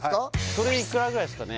それいくらぐらいっすかね？